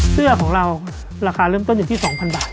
เสื้อของเราราคาเริ่มต้นอยู่ที่๒๐๐บาท